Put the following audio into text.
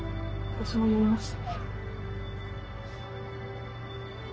私も酔いました。